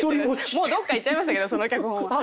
もうどっかいっちゃいましたけどその脚本は。